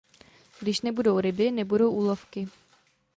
Když nebudou ryby, nebudou úlovky.